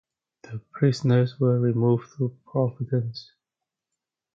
The prisoners were removed to Providence.